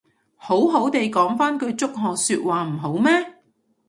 好好哋講返句祝賀說話唔好咩